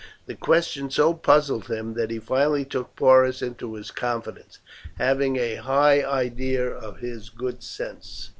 The question so puzzled him that he finally took Porus into his confidence, having a high idea of his good sense.